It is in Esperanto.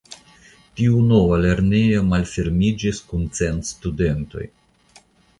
Tiu nova lernejo malfermiĝis la kun cent studentoj.